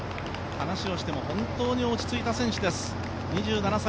話をしても本当に落ち着いた選手です。